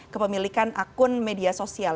kepemilikan akun media sosial